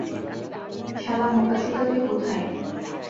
শালা বোকাচুদা তুই কোথায়?